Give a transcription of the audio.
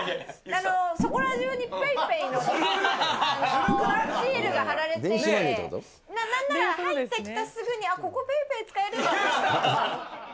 そこらじゅうにＰａｙＰａｙのシールが貼られているので、なんなら、入ってきてすぐに、あっ、ここＰａｙＰａｙ使えるんだって。